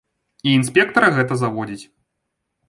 І інспектара гэта заводзіць.